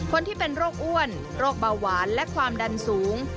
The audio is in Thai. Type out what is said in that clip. คนที่เป็นโรคอ้วนโรคเบาหวานและความดันสูง